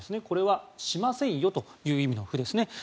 これはしませんよという意味の不ですね。